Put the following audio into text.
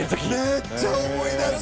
めっちゃ思い出す！